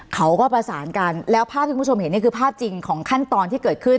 เขาก็ประสานกันแล้วภาพที่คุณผู้ชมเห็นนี่คือภาพจริงของขั้นตอนที่เกิดขึ้น